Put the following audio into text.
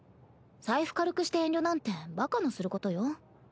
財布軽くして遠慮なんてバカのすることよ。